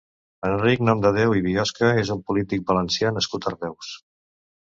Enric Nomdedéu i Biosca és un polític valencià nascut a Reus.